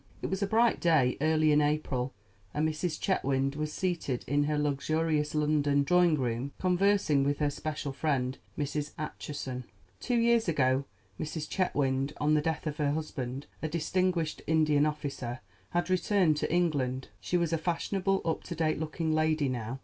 It was a bright day early in April, and Mrs. Chetwynd was seated in her luxurious London drawing room conversing with her special friend, Mrs. Acheson. Two years ago Mrs. Chetwynd, on the death of her husband, a distinguished Indian officer, had returned to England. She was a fashionable, up to date looking lady now.